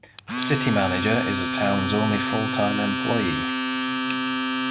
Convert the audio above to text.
The city manager is the town's only full-time employee.